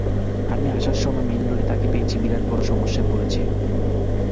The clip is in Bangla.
আমি আসার সময় মেইনরোডে তাকে পেয়েছি বিরাট বড় সমস্যায় পড়েছে।